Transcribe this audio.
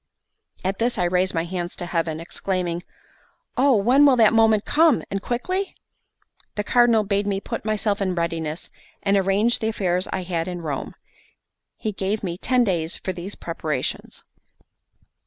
At this I raised my hands to heaven, exclaiming: "Oh, when will that moment come, and quickly?" The Cardinal bade me put myself in readiness, and arrange the affairs I had in Rome. He gave me ten days for these preparations.